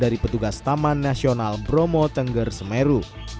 dari petugas taman nasional bromo tengger semeru